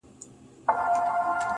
پرېږده دا زخم زړه ـ پاچا وویني.